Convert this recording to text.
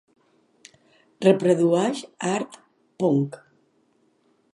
Reprodueix art punk.